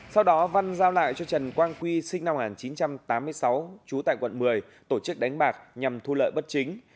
sau đó văn giao lại cho trần quang quy sinh năm một nghìn chín trăm tám mươi sáu trú tại quận một mươi tổ chức đánh bạc nhằm thu lợi bất chính